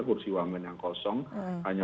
kursi wamen yang kosong hanya